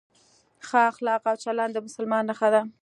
ښه اخلاق او چلند د مسلمان نښه ده.